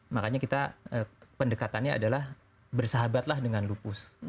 makanya kita pendekatannya adalah bersahabatlah dengan lupus